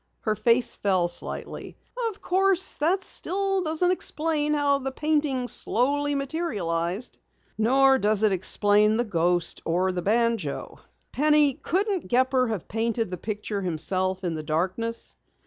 Her face fell slightly. "Of course, that still doesn't explain how the painting slowly materialized." "Nor does it explain the ghost or the banjo. Penny, couldn't Gepper have painted the picture himself in the darkness?"